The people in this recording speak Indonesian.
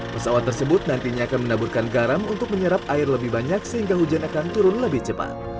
pesawat tersebut nantinya akan menaburkan garam untuk menyerap air lebih banyak sehingga hujan akan turun lebih cepat